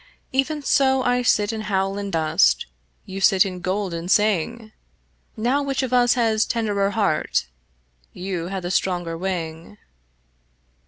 Even so I sit and howl in dust, You sit in gold and sing: Now which of us has tenderer heart? You had the stronger wing.